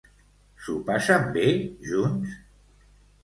S'ho passen bé, junts?